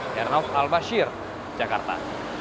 yarnob al bashir jakarta